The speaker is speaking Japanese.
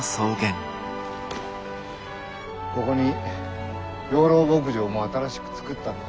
ここに養老牧場も新しく作ったんだ。